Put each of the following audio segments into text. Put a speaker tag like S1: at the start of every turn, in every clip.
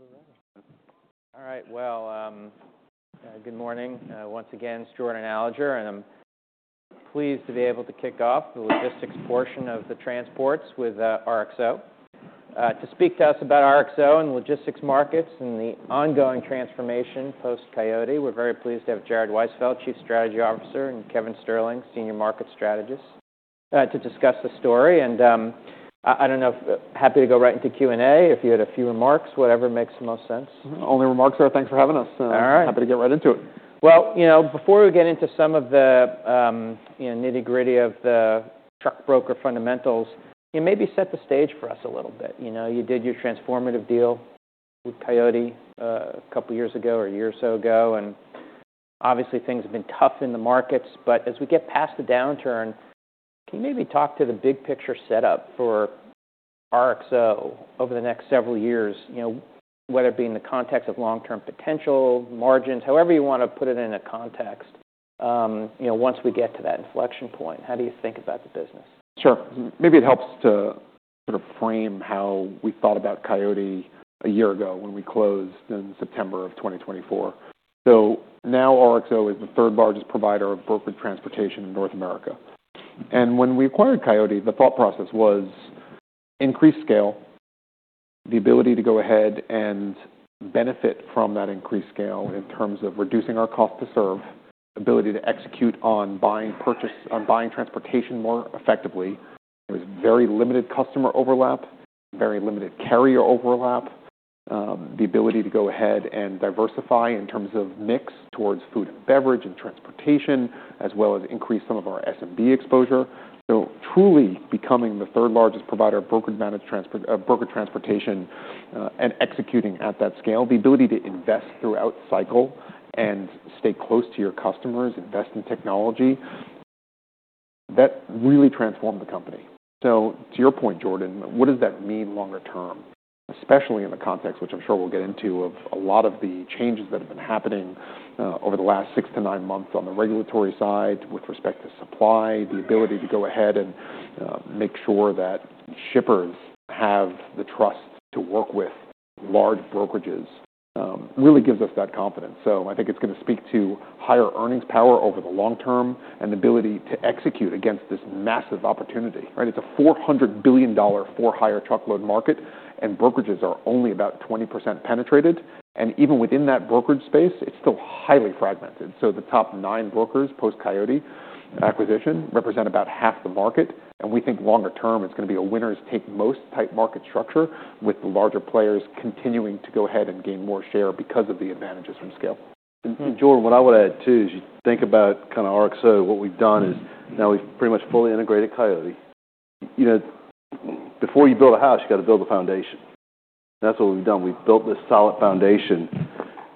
S1: Yes, we're ready. All right. Well, good morning. Once again, it's Jordan Alliger, and I'm pleased to be able to kick off the logistics portion of the transports with RXO. To speak to us about RXO and logistics markets and the ongoing transformation post-Coyote, we're very pleased to have Jared Weisfeld, Chief Strategy Officer, and Kevin Sterling, Senior Market Strategist, to discuss the story. And, I, I don't know if happy to go right into Q&A, if you had a few remarks, whatever makes the most sense. Only remarks are, "Thanks for having us. All right. Happy to get right into it. Well, you know, before we get into some of the, you know, nitty-gritty of the truck broker fundamentals, you maybe set the stage for us a little bit. You know, you did your transformative deal with Coyote, a couple years ago or a year or so ago, and obviously, things have been tough in the markets. But as we get past the downturn, can you maybe talk to the big picture setup for RXO over the next several years, you know, whether it be in the context of long-term potential, margins, however you wanna put it in a context, you know, once we get to that inflection point? How do you think about the business? Sure. Maybe it helps to sort of frame how we thought about Coyote a year ago when we closed in September of 2024. So now RXO is the third largest provider of brokered transportation in North America. And when we acquired Coyote, the thought process was increased scale, the ability to go ahead and benefit from that increased scale in terms of reducing our cost to serve, ability to execute on buying purchase, on buying transportation more effectively. It was very limited customer overlap, very limited carrier overlap, the ability to go ahead and diversify in terms of mix towards food and beverage and transportation, as well as increase some of our SMB exposure. Truly becoming the third largest provider of brokered managed transport, brokered transportation, and executing at that scale, the ability to invest throughout cycle and stay close to your customers, invest in technology, that really transformed the company. To your point, Jordan, what does that mean longer term, especially in the context, which I'm sure we'll get into, of a lot of the changes that have been happening over the last six-to-nine months on the regulatory side with respect to supply, the ability to go ahead and make sure that shippers have the trust to work with large brokerages, really gives us that confidence. I think it's gonna speak to higher earnings power over the long term and ability to execute against this massive opportunity, right? It's a $400 billion for-hire truckload market, and brokerages are only about 20% penetrated. Even within that brokerage space, it's still highly fragmented. The top nine brokers post-Coyote acquisition represent about half the market. We think longer term, it's gonna be a winners take most type market structure with the larger players continuing to go ahead and gain more share because of the advantages from scale.
S2: Jordan, what I would add too is you think about kinda RXO. What we've done is now we've pretty much fully integrated Coyote. You know, before you build a house, you gotta build a foundation. That's what we've done. We've built this solid foundation.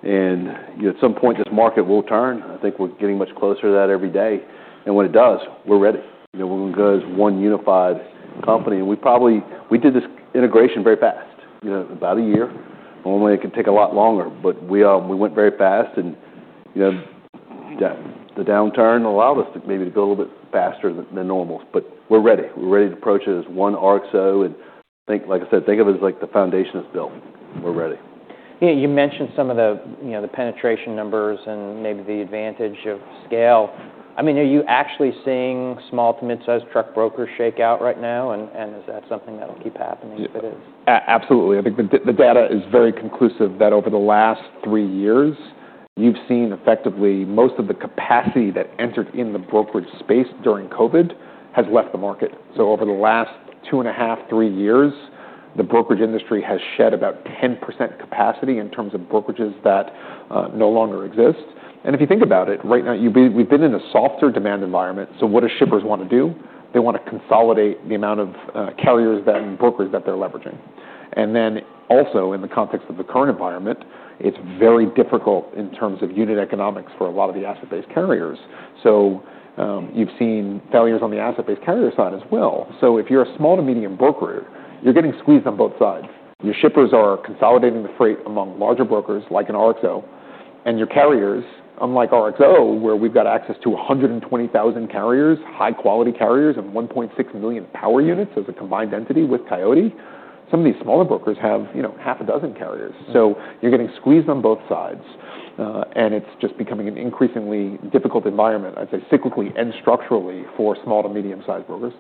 S2: And, you know, at some point, this market will turn. I think we're getting much closer to that every day. And when it does, we're ready. You know, we're gonna go as one unified company. And we probably did this integration very fast, you know, about a year. Normally, it can take a lot longer, but we went very fast. And, you know, that the downturn allowed us to maybe to go a little bit faster than normal. But we're ready. We're ready to approach it as one RXO. Think, like I said, think of it as like the foundation is built. We're ready. You know, you mentioned some of the, you know, the penetration numbers and maybe the advantage of scale. I mean, are you actually seeing small to mid-sized truck brokers shake out right now? And is that something that'll keep happening if it is? Absolutely. I think the data is very conclusive that over the last three years, you've seen effectively most of the capacity that entered in the brokerage space during COVID has left the market. So over the last two and a half, three years, the brokerage industry has shed about 10% capacity in terms of brokerages that no longer exist. And if you think about it, right now, we've been in a softer demand environment. So what do shippers wanna do? They wanna consolidate the amount of carriers and brokers that they're leveraging. And then also, in the context of the current environment, it's very difficult in terms of unit economics for a lot of the asset-based carriers. So you've seen failures on the asset-based carrier side as well. So if you're a small to medium broker, you're getting squeezed on both sides. Your shippers are consolidating the freight among larger brokers like an RXO. And your carriers, unlike RXO, where we've got access to 120,000 carriers, high-quality carriers and 1.6 million power units as a combined entity with Coyote, some of these smaller brokers have, you know, half a dozen carriers. So you're getting squeezed on both sides. And it's just becoming an increasingly difficult environment, I'd say, cyclically and structurally for small to medium-sized brokers.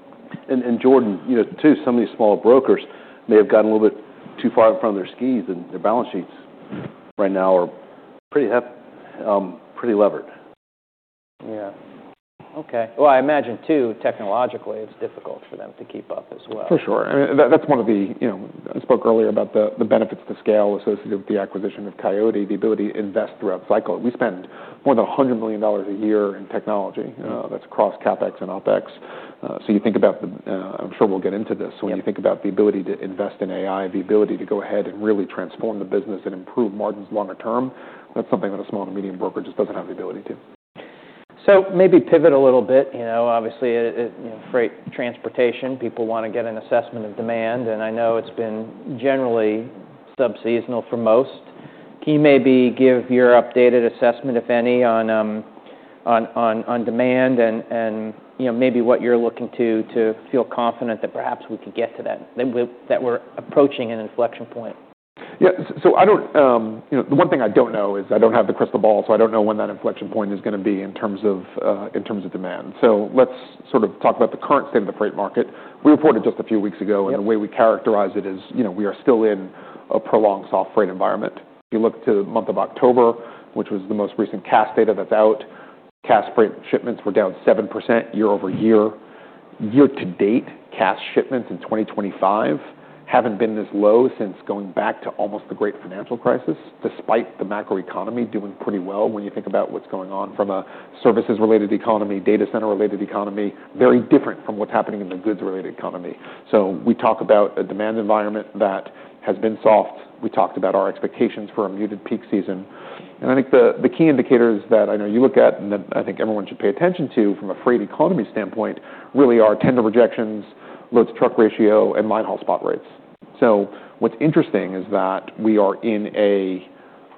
S2: And Jordan, you know, too, some of these smaller brokers may have gotten a little bit too far in front of their skis, and their balance sheets right now are pretty heavy, pretty levered. Yeah. Okay. Well, I imagine too, technologically, it's difficult for them to keep up as well.
S1: For sure. I mean, that's one of the, you know, I spoke earlier about the benefits to scale associated with the acquisition of Coyote, the ability to invest throughout cycle. We spend more than $100 million a year in technology. That's across CapEx and OpEx. So you think about the. I'm sure we'll get into this. Yeah. So when you think about the ability to invest in AI, the ability to go ahead and really transform the business and improve margins longer term, that's something that a small to medium broker just doesn't have the ability to. Maybe pivot a little bit. You know, obviously, you know, freight transportation, people wanna get an assessment of demand. And I know it's been generally sub-seasonal for most. Can you maybe give your updated assessment, if any, on demand and, and, you know, maybe what you're looking to feel confident that perhaps we could get to that we're approaching an inflection point? Yeah. So I don't, you know, the one thing I don't know is I don't have the crystal ball, so I don't know when that inflection point is gonna be in terms of, in terms of demand. So let's sort of talk about the current state of the freight market. We reported just a few weeks ago. Yeah. The way we characterize it is, you know, we are still in a prolonged soft freight environment. If you look to the month of October, which was the most recent Cass data that's out, Cass freight shipments were down 7% year-over-year. Year-to-date, Cass shipments in 2025 haven't been this low since going back to almost the Great Financial Crisis, despite the macroeconomy doing pretty well when you think about what's going on from a services-related economy, data-center-related economy, very different from what's happening in the goods-related economy. We talk about a demand environment that has been soft. We talked about our expectations for a muted peak season. I think the key indicators that I know you look at and that I think everyone should pay attention to from a freight economy standpoint really are tender rejections, loads-to-truck ratio, and linehaul spot rates. So what's interesting is that we are in a,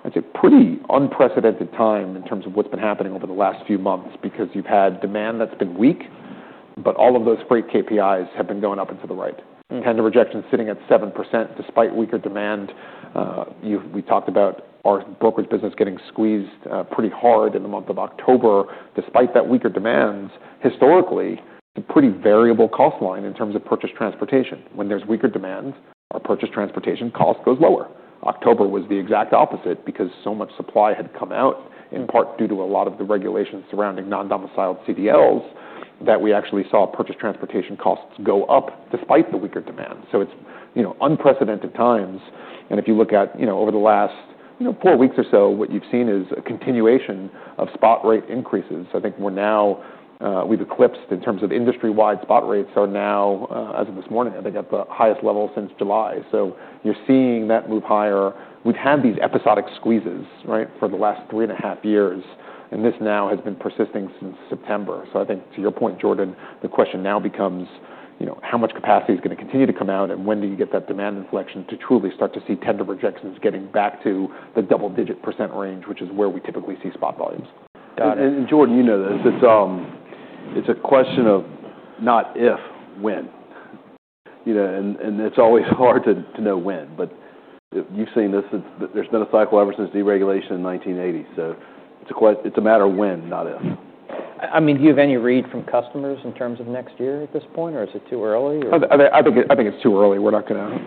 S1: I'd say, pretty unprecedented time in terms of what's been happening over the last few months because you've had demand that's been weak, but all of those freight KPIs have been going up and to the right. Tender rejections sitting at 7% despite weaker demand. We've talked about our brokerage business getting squeezed, pretty hard in the month of October. Despite that weaker demand, historically, it's a pretty variable cost line in terms of purchased transportation. When there's weaker demand, our purchased transportation cost goes lower. October was the exact opposite because so much supply had come out, in part due to a lot of the regulations surrounding non-domiciled CDLs, that we actually saw purchased transportation costs go up despite the weaker demand. So it's, you know, unprecedented times. If you look at, you know, over the last, you know, four weeks or so, what you've seen is a continuation of spot rate increases. I think we're now. We've eclipsed in terms of industry-wide spot rates are now, as of this morning, I think at the highest level since July. So you're seeing that move higher. We've had these episodic squeezes, right, for the last three and a half years, and this now has been persisting since September. So I think to your point, Jordan, the question now becomes, you know, how much capacity is gonna continue to come out, and when do you get that demand inflection to truly start to see tender rejections getting back to the double-digit % range, which is where we typically see spot volumes. Got it.
S2: And Jordan, you know this. It's a question of not if, when. You know, and it's always hard to know when. But if you've seen this, there's been a cycle ever since deregulation in 1980. So it's a matter of when, not if. I mean, do you have any read from customers in terms of next year at this point, or is it too early, or?
S1: I think it's too early. We're not gonna,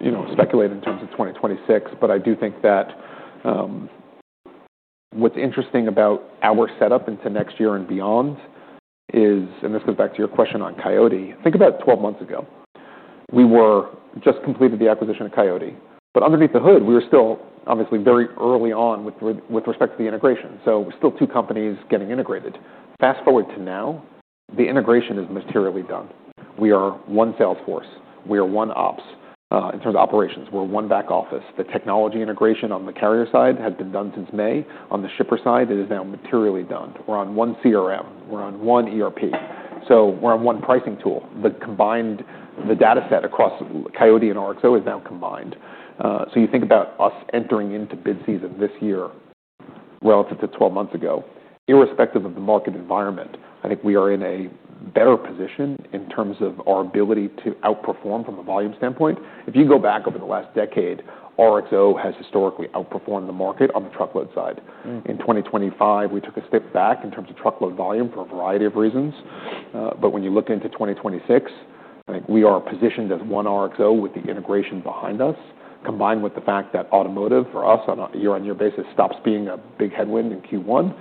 S1: you know, speculate in terms of 2026. But I do think that, what's interesting about our setup into next year and beyond is, and this goes back to your question on Coyote, think about 12 months ago. We were just completed the acquisition of Coyote. But underneath the hood, we were still obviously very early on with respect to the integration. So we're still two companies getting integrated. Fast forward to now, the integration is materially done. We are one sales force. We are one ops, in terms of operations. We're one back office. The technology integration on the carrier side has been done since May. On the shipper side, it is now materially done. We're on one CRM. We're on one ERP. So we're on one pricing tool. The combined data set across Coyote and RXO is now combined, so you think about us entering into bid season this year relative to 12 months ago, irrespective of the market environment, I think we are in a better position in terms of our ability to outperform from a volume standpoint. If you go back over the last decade, RXO has historically outperformed the market on the truckload side. In 2025, we took a step back in terms of truckload volume for a variety of reasons, but when you look into 2026, I think we are positioned as one RXO with the integration behind us, combined with the fact that automotive for us on a year-on-year basis stops being a big headwind in Q1,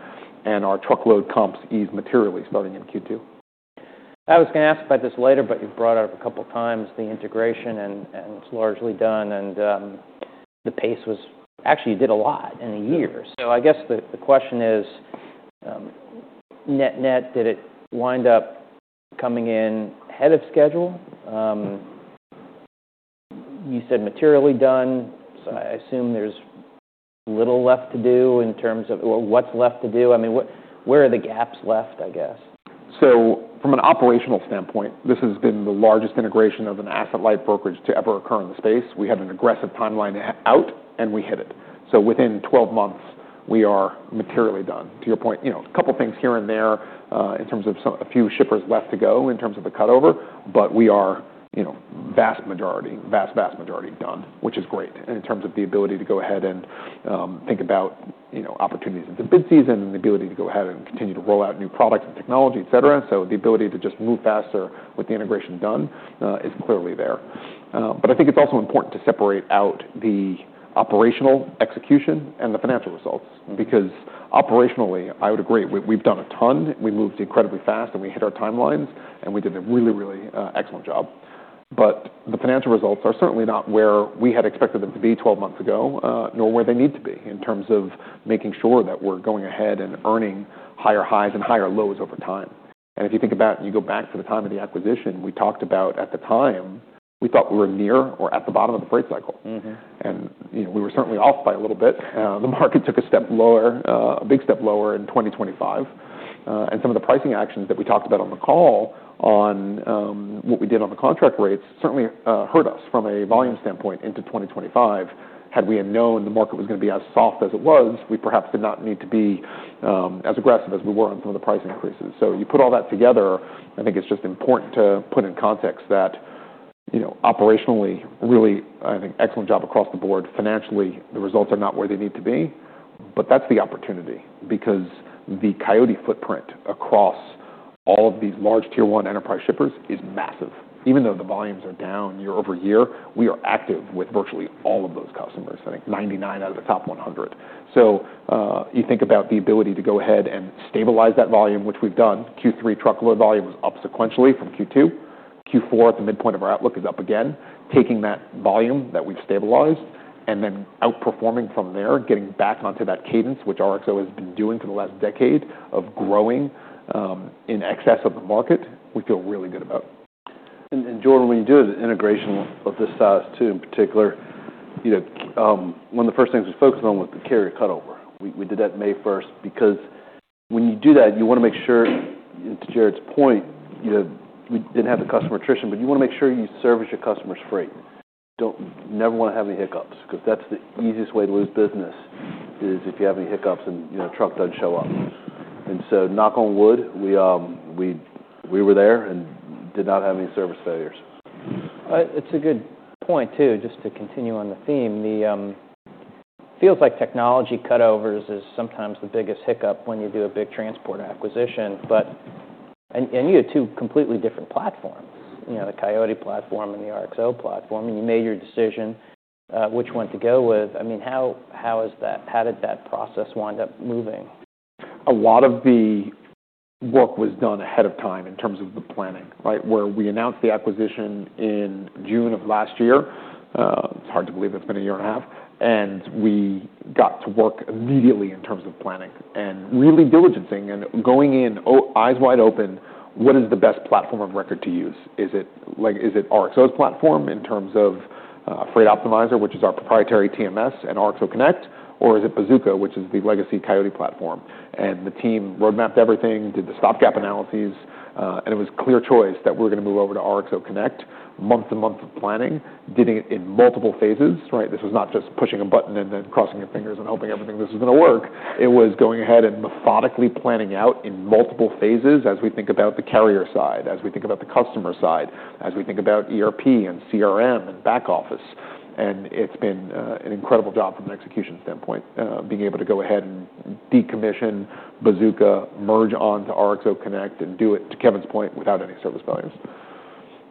S1: and our truckload comps ease materially starting in Q2. I was gonna ask about this later, but you've brought it up a couple of times, the integration, and it's largely done. And the pace was actually, you did a lot in a year. So I guess the question is, net-net, did it wind up coming in ahead of schedule? You said materially done. So I assume there's little left to do in terms of or what's left to do. I mean, what, where are the gaps left, I guess? So from an operational standpoint, this has been the largest integration of an asset-light brokerage to ever occur in the space. We had an aggressive timeline about, and we hit it. So within 12 months, we are materially done. To your point, you know, a couple of things here and there, in terms of some, a few shippers left to go in terms of the cutover. But we are, you know, vast majority, vast, vast majority done, which is great. And in terms of the ability to go ahead and, think about, you know, opportunities into bid season and the ability to go ahead and continue to roll out new products and technology, etc., so the ability to just move faster with the integration done, is clearly there. But I think it's also important to separate out the operational execution and the financial results because operationally, I would agree. We've done a ton. We moved incredibly fast, and we hit our timelines, and we did a really, really, excellent job. But the financial results are certainly not where we had expected them to be 12 months ago, nor where they need to be in terms of making sure that we're going ahead and earning higher highs and higher lows over time. And if you think about and you go back to the time of the acquisition, we talked about at the time, we thought we were near or at the bottom of the freight cycle. Mm-hmm. And, you know, we were certainly off by a little bit. The market took a step lower, a big step lower in 2025. And some of the pricing actions that we talked about on the call on, what we did on the contract rates certainly, hurt us from a volume standpoint into 2025. Had we had known the market was gonna be as soft as it was, we perhaps did not need to be, as aggressive as we were on some of the price increases. So you put all that together, I think it's just important to put in context that, you know, operationally, really, I think, excellent job across the board. Financially, the results are not where they need to be. But that's the opportunity because the Coyote footprint across all of these large tier-one enterprise shippers is massive. Even though the volumes are down year-over-year, we are active with virtually all of those customers, I think 99 out of the top 100. So, you think about the ability to go ahead and stabilize that volume, which we've done. Q3 truckload volume was up sequentially from Q2. Q4, at the midpoint of our outlook, is up again. Taking that volume that we've stabilized and then outperforming from there, getting back onto that cadence, which RXO has been doing for the last decade of growing, in excess of the market, we feel really good about. And Jordan, when you do an integration of this size too, in particular, you know, one of the first things we focused on was the carrier cutover.
S2: We did that May 1st because when you do that, you wanna make sure, to Jared's point, you know, we didn't have the customer attrition, but you wanna make sure you service your customers well. Don't never wanna have any hiccups 'cause that's the easiest way to lose business is if you have any hiccups and, you know, truck doesn't show up. And so knock on wood, we were there and did not have any service failures. It's a good point too, just to continue on the theme. Feels like technology cutovers is sometimes the biggest hiccup when you do a big transport acquisition. But, and you had two completely different platforms, you know, the Coyote platform and the RXO platform, and you made your decision, which one to go with. I mean, how is that? How did that process wind up moving?
S1: A lot of the work was done ahead of time in terms of the planning, right, where we announced the acquisition in June of last year. It's hard to believe it's been a year and a half, and we got to work immediately in terms of planning and really diligencing and going in, oh, eyes wide open, what is the best platform of record to use? Is it, like, is it RXO's platform in terms of, Freight Optimizer, which is our proprietary TMS and RXO Connect, or is it Bazooka, which is the legacy Coyote platform, and the team roadmapped everything, did the stop-gap analyses, and it was clear choice that we were gonna move over to RXO Connect, month-to-month planning, did it in multiple phases, right? This was not just pushing a button and then crossing your fingers and hoping everything this was gonna work. It was going ahead and methodically planning out in multiple phases as we think about the carrier side, as we think about the customer side, as we think about ERP and CRM and back office, and it's been an incredible job from an execution standpoint, being able to go ahead and decommission Bazooka, merge onto RXO Connect, and do it, to Kevin's point, without any service failures.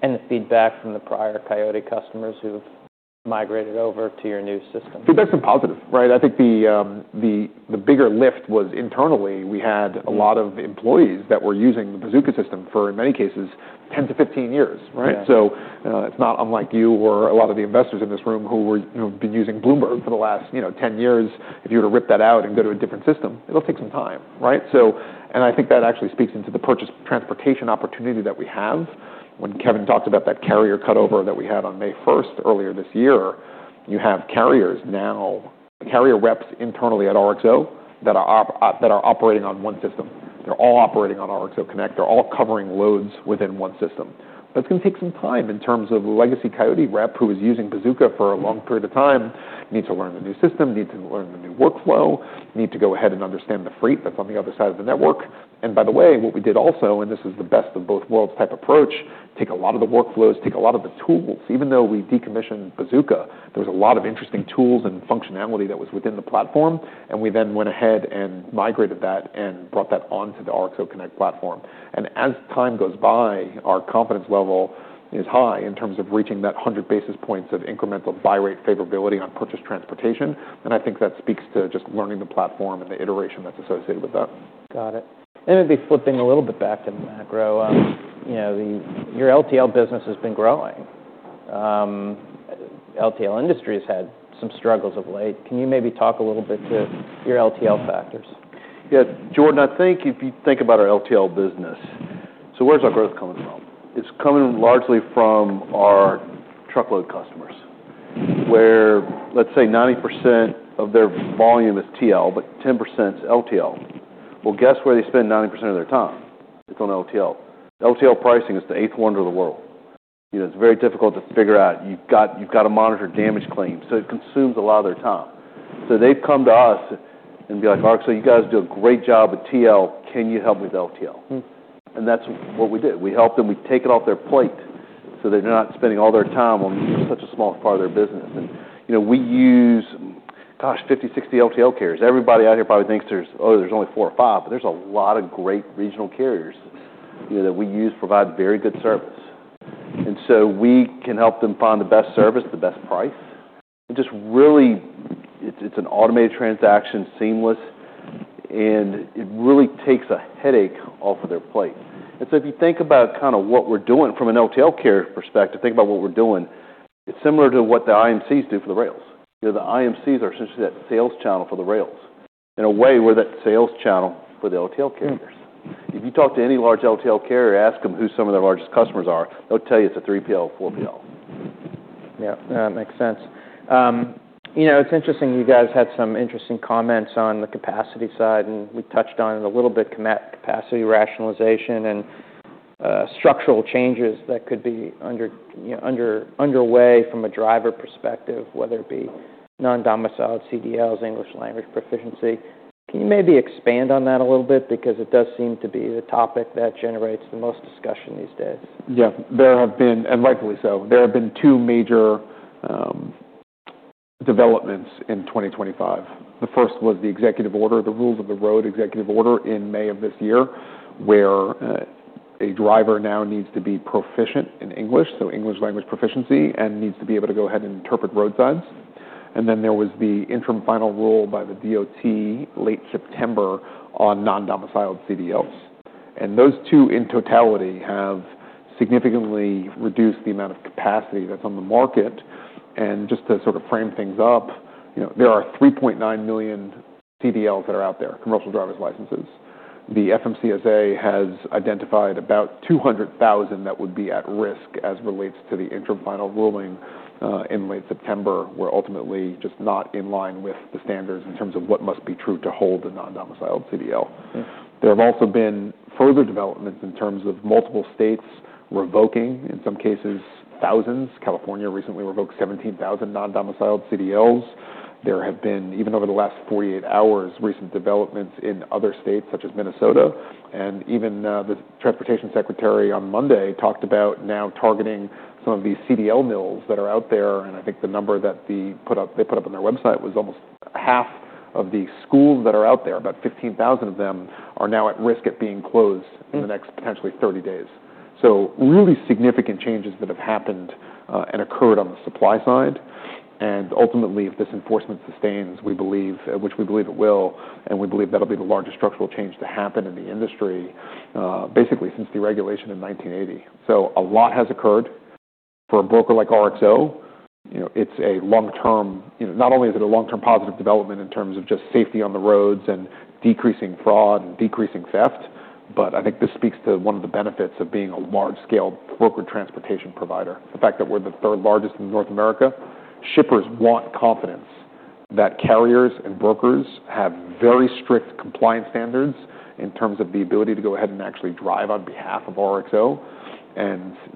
S1: The feedback from the prior Coyote customers who've migrated over to your new system? Feedback's been positive, right? I think the bigger lift was internally. We had a lot of employees that were using the Bazooka system for, in many cases, 10 to 15 years, right? Yeah. So, it's not unlike you or a lot of the investors in this room who were, you know, been using Bloomberg for the last, you know, 10 years. If you were to rip that out and go to a different system, it'll take some time, right? So and I think that actually speaks into the purchased transportation opportunity that we have. When Kevin talked about that carrier cutover that we had on May 1st earlier this year, you have carriers now, carrier reps internally at RXO that are operating on one system. They're all operating on RXO Connect. They're all covering loads within one system. That's gonna take some time in terms of a legacy Coyote rep who is using Bazooka for a long period of time, needs to learn the new system, needs to learn the new workflow, need to go ahead and understand the freight that's on the other side of the network. And by the way, what we did also, and this is the best of both worlds type approach, take a lot of the workflows, take a lot of the tools. Even though we decommissioned Bazooka, there was a lot of interesting tools and functionality that was within the platform, and we then went ahead and migrated that and brought that onto the RXO Connect platform. And as time goes by, our confidence level is high in terms of reaching that 100 basis points of incremental buy rate favorability on purchased transportation. I think that speaks to just learning the platform and the iteration that's associated with that. Got it. And maybe flipping a little bit back to the macro, you know, your LTL business has been growing. The LTL industry has had some struggles of late. Can you maybe talk a little bit to your LTL factors?
S2: Yeah. Jordan, I think if you think about our LTL business, so where's our growth coming from? It's coming largely from our truckload customers where, let's say, 90% of their volume is TL, but 10%'s LTL. Well, guess where they spend 90% of their time? It's on LTL. LTL pricing is the eighth wonder of the world. You know, it's very difficult to figure out. You've got to monitor damage claims. So it consumes a lot of their time. So they've come to us and be like, "RXO, you guys do a great job with TL. Can you help me with LTL?" And that's what we did. We helped them. We take it off their plate so they're not spending all their time on such a small part of their business. And, you know, we use, gosh, 50, 60 LTL carriers. Everybody out here probably thinks there's, oh, there's only four or five, but there's a lot of great regional carriers, you know, that we use provide very good service and so we can help them find the best service, the best price. It just really it's, it's an automated transaction, seamless, and it really takes a headache off of their plate and so if you think about kind of what we're doing from an LTL carrier perspective, think about what we're doing, it's similar to what the IMCs do for the rails. You know, the IMCs are essentially that sales channel for the rails in a way where that sales channel for the LTL carriers. If you talk to any large LTL carrier, ask them who some of their largest customers are, they'll tell you it's a 3PL, 4PL. Yeah. That makes sense. You know, it's interesting. You guys had some interesting comments on the capacity side, and we touched on it a little bit, capacity rationalization and structural changes that could be underway from a driver perspective, whether it be non-domiciled CDLs, English language proficiency. Can you maybe expand on that a little bit because it does seem to be the topic that generates the most discussion these days?
S1: Yeah. There have been and rightfully so. There have been two major developments in 2025. The first was the executive order, the rules of the road executive order in May of this year where a driver now needs to be proficient in English, so English language proficiency, and needs to be able to go ahead and interpret roadsides. And then there was the interim final rule by the DOT in late September on non-domiciled CDLs. And those two in totality have significantly reduced the amount of capacity that's on the market. And just to sort of frame things up, you know, there are 3.9 million CDLs that are out there, commercial driver's licenses. The FMCSA has identified about 200,000 that would be at risk as it relates to the interim final ruling in late September were ultimately just not in line with the standards in terms of what must be true to hold a non-domiciled CDL. There have also been further developments in terms of multiple states revoking, in some cases, thousands. California recently revoked 17,000 non-domiciled CDLs. There have been even over the last 48 hours recent developments in other states such as Minnesota, and even the transportation secretary on Monday talked about now targeting some of these CDL mills that are out there, and I think the number that they put up on their website was almost half of the schools that are out there. About 15,000 of them are now at risk at being closed in the next potentially 30 days. So really significant changes that have happened, and occurred on the supply side. And ultimately, if this enforcement sustains, we believe, which we believe it will, and we believe that'll be the largest structural change to happen in the industry, basically since deregulation in 1980. So a lot has occurred. For a broker like RXO, you know, it's a long-term, you know, not only is it a long-term positive development in terms of just safety on the roads and decreasing fraud and decreasing theft, but I think this speaks to one of the benefits of being a large-scale brokered transportation provider. The fact that we're the third largest in North America. Shippers want confidence that carriers and brokers have very strict compliance standards in terms of the ability to go ahead and actually drive on behalf of RXO.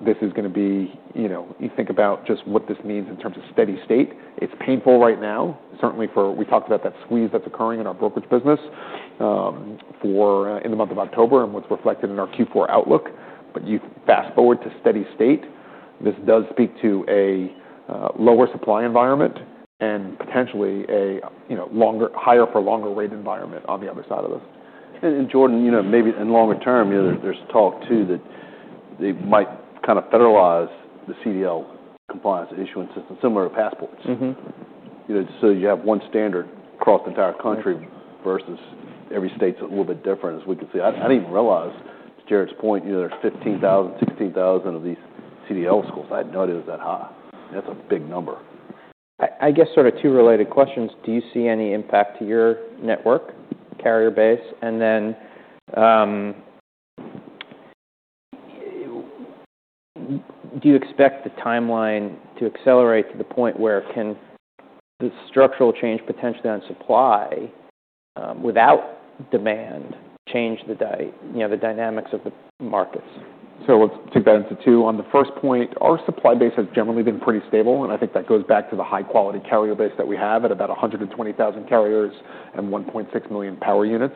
S1: This is gonna be, you know, you think about just what this means in terms of steady state. It's painful right now, certainly for we talked about that squeeze that's occurring in our brokerage business, for, in the month of October and what's reflected in our Q4 outlook. You fast forward to steady state, this does speak to a lower supply environment and potentially a, you know, longer higher for longer rate environment on the other side of this, and Jordan, you know, maybe in longer term, you know, there's talk too that they might kind of federalize the CDL compliance issuance system similar to passports. Mm-hmm.
S2: You know, so you have one standard across the entire country versus every state's a little bit different, as we could see. I, I didn't even realize, to Jared's point, you know, there's 15,000, 16,000 of these CDL schools. I had no idea it was that high. That's a big number. I guess sort of two related questions. Do you see any impact to your network carrier base? And then, do you expect the timeline to accelerate to the point where the structural change potentially on supply, without demand change, you know, the dynamics of the markets? Let's take that into two. On the first point, our supply base has generally been pretty stable, and I think that goes back to the high-quality carrier base that we have at about 120,000 carriers and 1.6 million power units.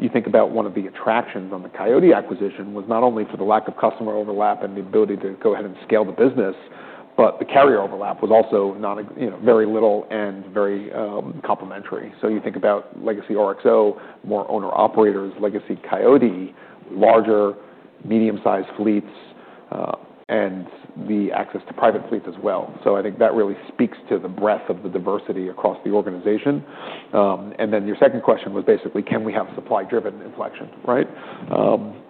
S2: You think about one of the attractions on the Coyote acquisition was not only for the lack of customer overlap and the ability to go ahead and scale the business, but the carrier overlap was also none, you know, very little and very complementary. So you think about legacy RXO, more owner-operators, legacy Coyote, larger, medium-sized fleets, and the access to private fleets as well. So I think that really speaks to the breadth of the diversity across the organization, and then your second question was basically, can we have supply-driven inflection, right?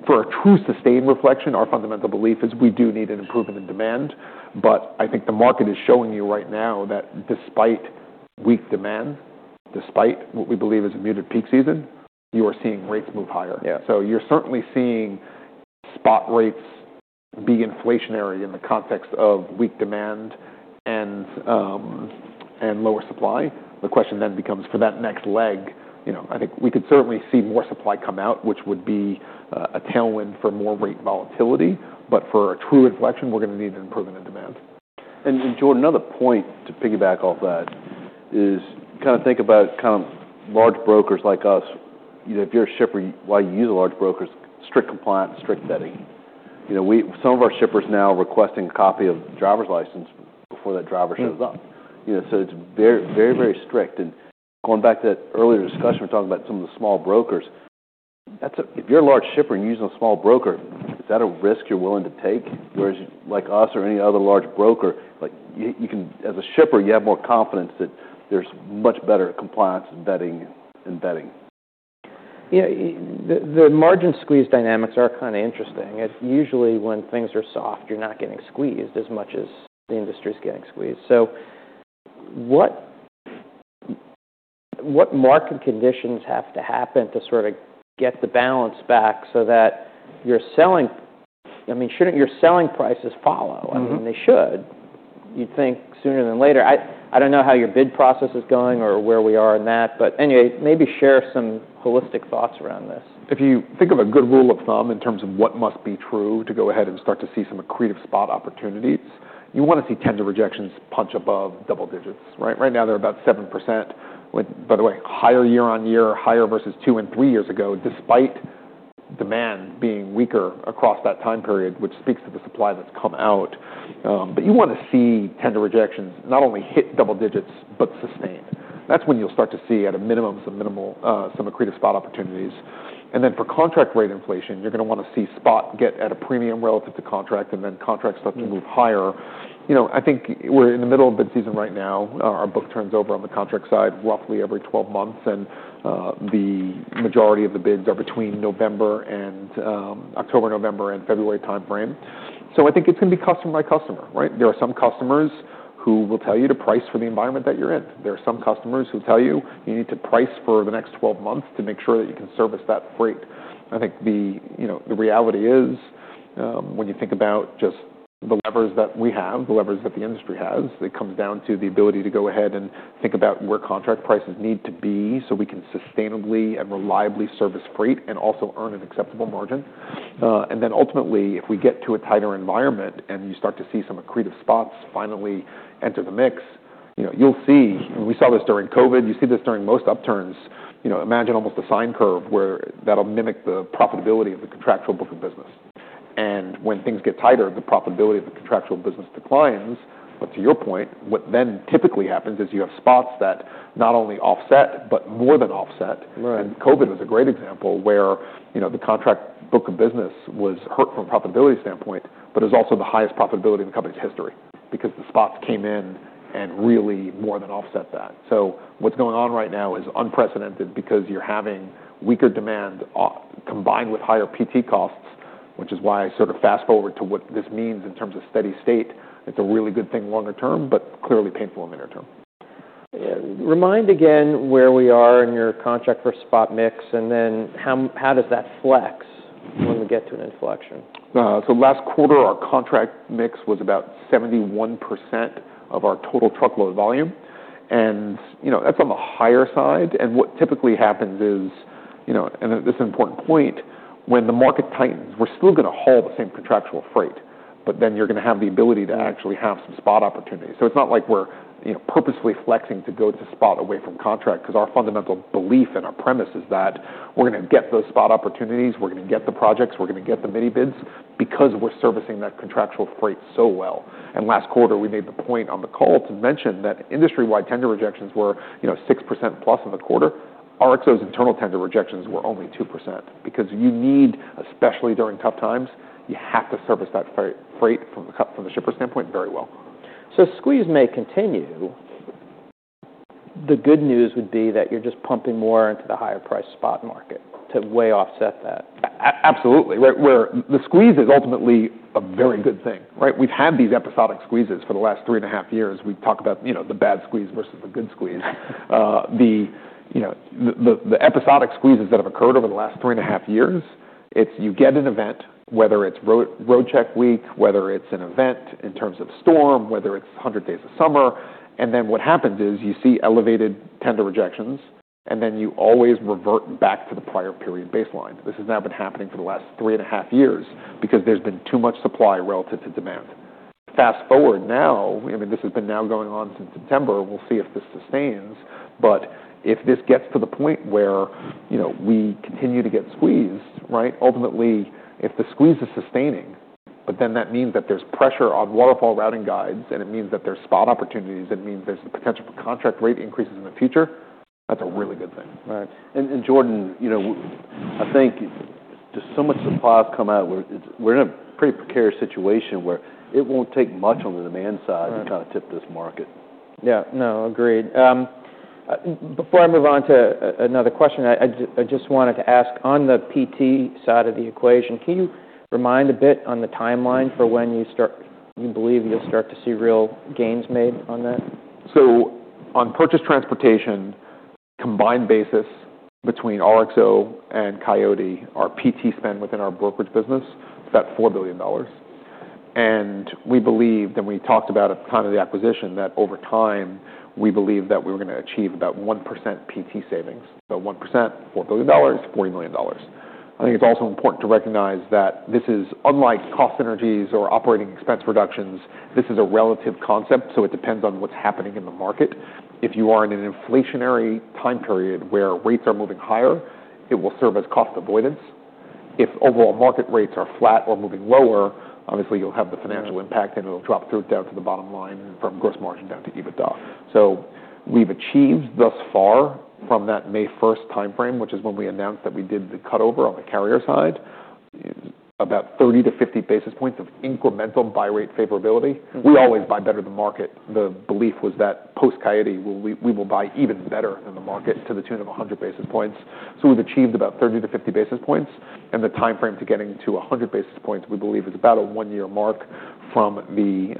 S2: For a true sustained inflection, our fundamental belief is we do need an improvement in demand. But I think the market is showing you right now that despite weak demand, despite what we believe is a muted peak season, you are seeing rates move higher. Yeah. So you're certainly seeing spot rates be inflationary in the context of weak demand and lower supply. The question then becomes, for that next leg, you know, I think we could certainly see more supply come out, which would be a tailwind for more rate volatility. But for a true inflection, we're gonna need an improvement in demand. And Jordan, another point to piggyback off that is kind of think about kind of large brokers like us. You know, if you're a shipper, why you use a large broker's strict compliance, strict vetting. You know, we, some of our shippers now requesting a copy of the driver's license before that driver shows up. Mm-hmm. You know, so it's very, very, very strict. And going back to that earlier discussion, we're talking about some of the small brokers. That's if you're a large shipper and you're using a small broker, is that a risk you're willing to take? Whereas like us or any other large broker, like, you can as a shipper, you have more confidence that there's much better compliance and vetting and vetting. Yeah. The margin squeeze dynamics are kind of interesting. Usually, when things are soft, you're not getting squeezed as much as the industry's getting squeezed. So what market conditions have to happen to sort of get the balance back so that your selling I mean, shouldn't your selling prices follow? I mean, they should. You'd think sooner than later. I don't know how your bid process is going or where we are in that, but anyway, maybe share some holistic thoughts around this.
S1: If you think of a good rule of thumb in terms of what must be true to go ahead and start to see some accretive spot opportunities, you want to see tender rejections punch above double digits, right? Right now, they're about 7%. With, by the way, higher year on year, higher versus two and three years ago, despite demand being weaker across that time period, which speaks to the supply that's come out. But you want to see tender rejections not only hit double digits but sustained. That's when you'll start to see, at a minimum, some minimal, some accretive spot opportunities. And then for contract rate inflation, you're gonna want to see spot get at a premium relative to contract, and then contract start to move higher. You know, I think we're in the middle of bid season right now. Our book turns over on the contract side roughly every 12 months, and the majority of the bids are between October, November, and February timeframe. So I think it's gonna be customer by customer, right? There are some customers who will tell you to price for the environment that you're in. There are some customers who tell you you need to price for the next 12 months to make sure that you can service that freight. I think, you know, the reality is, when you think about just the levers that we have, the levers that the industry has, it comes down to the ability to go ahead and think about where contract prices need to be so we can sustainably and reliably service freight and also earn an acceptable margin. And then ultimately, if we get to a tighter environment and you start to see some accretive spots finally enter the mix, you know, you'll see we saw this during COVID. You see this during most upturns. You know, imagine almost a sine curve where that'll mimic the profitability of the contractual book of business. And when things get tighter, the profitability of the contractual business declines. But to your point, what then typically happens is you have spots that not only offset but more than offset. Right. And COVID was a great example where, you know, the contract book of business was hurt from a profitability standpoint, but it was also the highest profitability in the company's history because the spots came in and really more than offset that. So what's going on right now is unprecedented because you're having weaker demand combined with higher PT costs, which is why I sort of fast forward to what this means in terms of steady state. It's a really good thing longer term, but clearly painful in the interim. Yeah. Remind again where we are in your contract for spot mix, and then how does that flex when we get to an inflection?
S2: So last quarter, our contract mix was about 71% of our total truckload volume. And, you know, that's on the higher side. And what typically happens is, you know, and this is an important point, when the market tightens, we're still gonna haul the same contractual freight, but then you're gonna have the ability to actually have some spot opportunities. So it's not like we're, you know, purposely flexing to go to spot away from contract because our fundamental belief and our premise is that we're gonna get those spot opportunities, we're gonna get the projects, we're gonna get the mini-bids because we're servicing that contractual freight so well. And last quarter, we made the point on the call to mention that industry-wide tender rejections were, you know, 6% plus in the quarter. RXO's internal tender rejections were only 2% because you need, especially during tough times, you have to service that freight from the shipper standpoint very well. So squeeze may continue. The good news would be that you're just pumping more into the higher-priced spot market to outweigh that.
S1: Absolutely. Right. Where the squeeze is ultimately a very good thing, right? We've had these episodic squeezes for the last three and a half years. We talk about, you know, the bad squeeze versus the good squeeze. You know, the episodic squeezes that have occurred over the last three and a half years, it's you get an event, whether it's Roadcheck week, whether it's an event in terms of storm, whether it's 100 Days of Summer. And then what happens is you see elevated tender rejections, and then you always revert back to the prior period baseline. This has now been happening for the last three and a half years because there's been too much supply relative to demand. Fast forward now, I mean, this has been now going on since September. We'll see if this sustains. But if this gets to the point where, you know, we continue to get squeezed, right? Ultimately, if the squeeze is sustaining, but then that means that there's pressure on waterfall routing guides, and it means that there's spot opportunities. It means there's the potential for contract rate increases in the future. That's a really good thing.
S2: Right. And Jordan, you know, I think just so much supplies come out where we're in a pretty precarious situation where it won't take much on the demand side to kind of tip this market. Yeah. No, agreed. Before I move on to another question, I just wanted to ask on the PT side of the equation, can you remind a bit on the timeline for when you believe you'll start to see real gains made on that?
S1: On purchased transportation, the combined basis between RXO and Coyote, our PT spend within our brokerage business, it's about $4 billion. We believe then we talked about at the time of the acquisition that over time, we believe that we were gonna achieve about 1% PT savings. 1%, $4 billion, $40 million. I think it's also important to recognize that this is unlike cost synergies or operating expense reductions, this is a relative concept, so it depends on what's happening in the market. If you are in an inflationary time period where rates are moving higher, it will serve as cost avoidance. If overall market rates are flat or moving lower, obviously, you'll have the financial impact, and it'll drop through down to the bottom line from gross margin down to EBITDA. So we've achieved thus far from that May 1st timeframe, which is when we announced that we did the cutover on the carrier side, about 30 to 50 basis points of incremental buy rate favorability. We always buy better than market. The belief was that post-Coyote, we will buy even better than the market to the tune of 100 basis points. So we've achieved about 30 to 50 basis points. And the timeframe to getting to 100 basis points, we believe, is about a one-year mark from the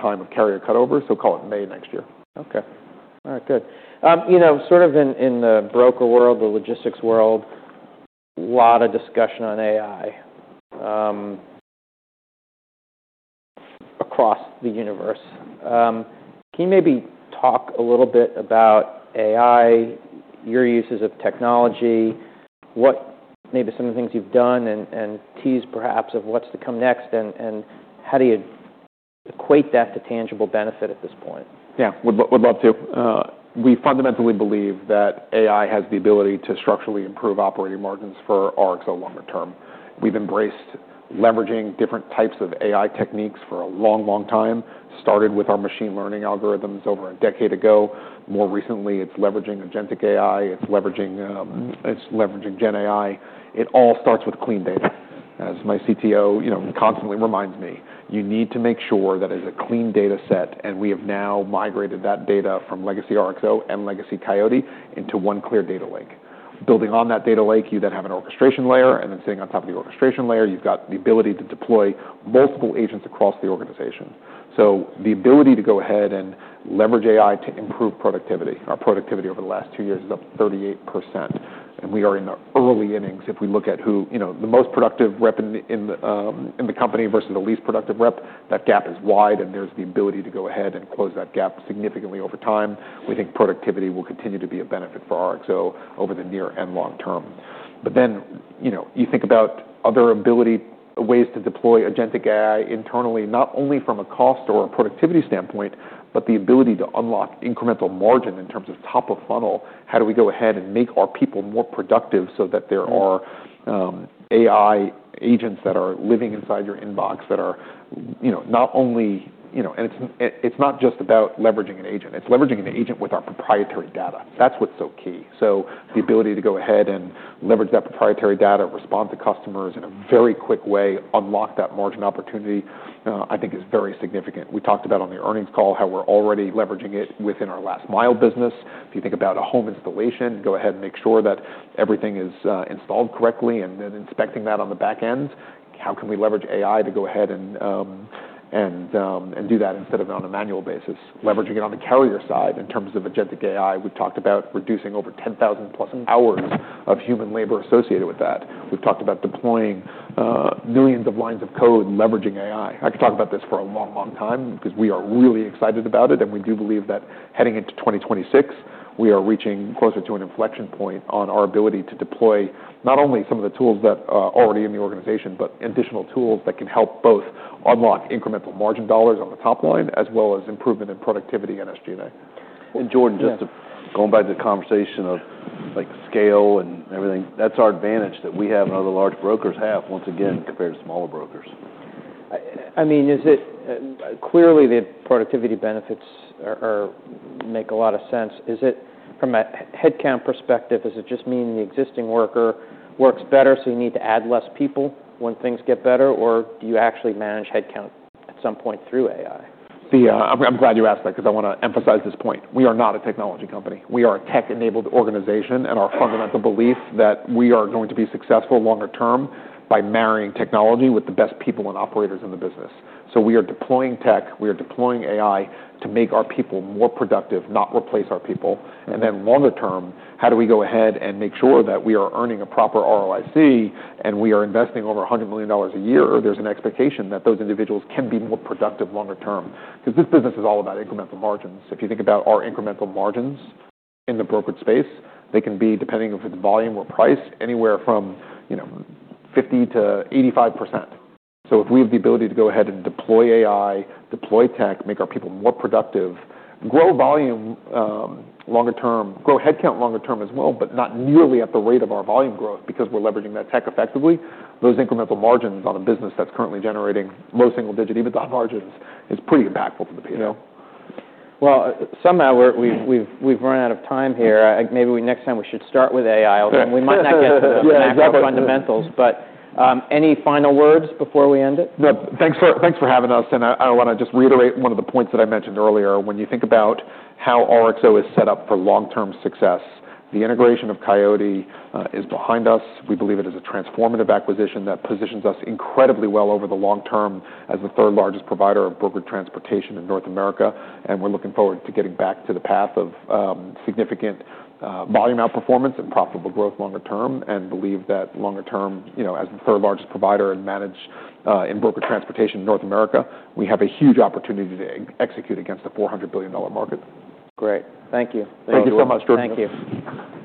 S1: time of carrier cutover. So call it May next year. Okay. All right. Good. You know, sort of in the broker world, the logistics world, a lot of discussion on AI across the universe. Can you maybe talk a little bit about AI, your uses of technology, what maybe some of the things you've done and tease, perhaps, of what's to come next, and how do you equate that to tangible benefit at this point?
S2: Yeah. We'd love to. We fundamentally believe that AI has the ability to structurally improve operating margins for RXO longer term. We've embraced leveraging different types of AI techniques for a long, long time, started with our machine learning algorithms over a decade ago. More recently, it's leveraging agentic AI. It's leveraging, it's leveraging GenAI. It all starts with clean data, as my CTO, you know, constantly reminds me. You need to make sure that it's a clean data set, and we have now migrated that data from legacy RXO and legacy Coyote into one clear data lake. Building on that data lake, you then have an orchestration layer, and then sitting on top of the orchestration layer, you've got the ability to deploy multiple agents across the organization. So the ability to go ahead and leverage AI to improve productivity. Our productivity over the last two years is up 38%, and we are in the early innings if we look at who, you know, the most productive rep in the company versus the least productive rep. That gap is wide, and there's the ability to go ahead and close that gap significantly over time. We think productivity will continue to be a benefit for RXO over the near and long term. But then, you know, you think about other ways to deploy agentic AI internally, not only from a cost or a productivity standpoint, but the ability to unlock incremental margin in terms of top of funnel. How do we go ahead and make our people more productive so that there are AI agents that are living inside your inbox that are, you know, not only, you know, and it's not just about leveraging an agent. It's leveraging an agent with our proprietary data. That's what's so key. So the ability to go ahead and leverage that proprietary data, respond to customers in a very quick way, unlock that margin opportunity, I think is very significant. We talked about on the earnings call how we're already leveraging it within our last mile business. If you think about a home installation, go ahead and make sure that everything is installed correctly and then inspecting that on the back end. How can we leverage AI to go ahead and do that instead of on a manual basis? Leveraging it on the carrier side in terms of agentic AI. We've talked about reducing over 10,000-plus hours of human labor associated with that. We've talked about deploying millions of lines of code leveraging AI. I could talk about this for a long, long time because we are really excited about it, and we do believe that heading into 2026, we are reaching closer to an inflection point on our ability to deploy not only some of the tools that are already in the organization but additional tools that can help both unlock incremental margin dollars on the top line as well as improvement in productivity and SG&A.
S1: Jordan, just to. Yeah. Going back to the conversation of, like, scale and everything, that's our advantage that we have and other large brokers have, once again, compared to smaller brokers. I mean, is it clearly the productivity benefits are making a lot of sense. Is it from a headcount perspective, does it just mean the existing worker works better, so you need to add less people when things get better, or do you actually manage headcount at some point through AI?
S2: I'm glad you asked that because I want to emphasize this point. We are not a technology company. We are a tech-enabled organization, and our fundamental belief that we are going to be successful longer term by marrying technology with the best people and operators in the business. So we are deploying tech. We are deploying AI to make our people more productive, not replace our people. And then longer term, how do we go ahead and make sure that we are earning a proper ROIC and we are investing over $100 million a year? There's an expectation that those individuals can be more productive longer term because this business is all about incremental margins. If you think about our incremental margins in the brokerage space, they can be, depending if it's volume or price, anywhere from, you know, 50%-85%. So if we have the ability to go ahead and deploy AI, deploy tech, make our people more productive, grow volume, longer term, grow headcount longer term as well, but not nearly at the rate of our volume growth because we're leveraging that tech effectively, those incremental margins on a business that's currently generating low single-digit EBITDA margins is pretty impactful to the P&L. Yeah, well, somehow we've run out of time here. Maybe next time we should start with AI.
S1: Yeah. Although we might not get to the.
S2: Yeah. Exactly. Fundamentals, but, any final words before we end it?
S1: No. Thanks for having us. And I want to just reiterate one of the points that I mentioned earlier. When you think about how RXO is set up for long-term success, the integration of Coyote is behind us. We believe it is a transformative acquisition that positions us incredibly well over the long term as the third largest provider of brokered transportation in North America. And we're looking forward to getting back to the path of significant volume outperformance and profitable growth longer term and believe that longer term, you know, as the third largest provider of managed brokered transportation in North America, we have a huge opportunity to execute against a $400 billion market. Great. Thank you. Thank you so much, Jordan. Thank you.